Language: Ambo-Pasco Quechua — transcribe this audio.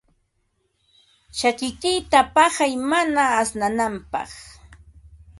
Chakikiyta paqay mana asyananpaq.